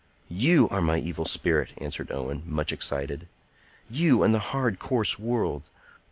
"You are my evil spirit," answered Owen, much excited,—"you and the hard, coarse world!